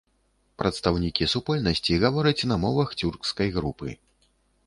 Прадстаўнікі супольнасці гавораць на мовах цюркскай групы.